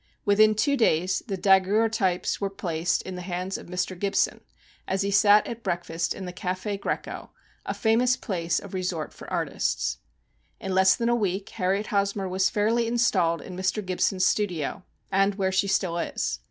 Within two days the daguerreotypes were placed in the hands of Mr. Gibson, as he sat at breakfast in the Cafe Greco, a famous place of resort for artists. In less than a week, Harriet Hosmor was fairly installed in Mr. Gibson's studio, and where she still is.